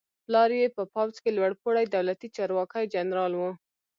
پلار یې په پوځ کې لوړ پوړی دولتي چارواکی جنرال و.